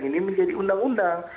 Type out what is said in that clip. ini menjadi undang undang